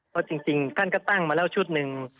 เพราะจริงท่านก็ตั้งมาแล้วชุดหนึ่ง